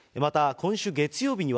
今週月曜日には、